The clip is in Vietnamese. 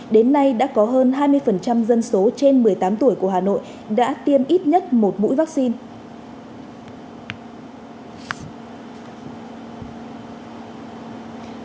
đến nay đã có hơn hai mươi dân số trên một mươi tám tuổi của hà nội đã tiêm ít nhất một mũi vaccine